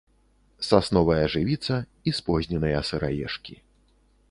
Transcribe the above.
Сасновая жывіца і спозненыя сыраежкі.